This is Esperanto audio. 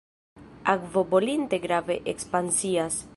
Akvo bolinte grave ekspansias.